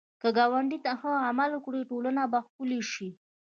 که ګاونډي ته ښه عمل وکړې، ټولنه به ښکلې شي